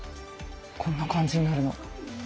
こんな感じになるの。